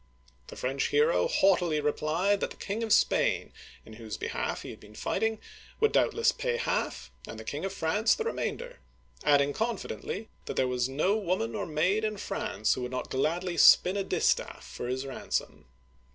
The French hero haughtily replied that the King of Spain, in whose behalf he had been fighting, would doubtless pay half, and the King of France the remainder, adding confidently that there was no woman or maid in France who would not gladly spin a distaff for his ransom.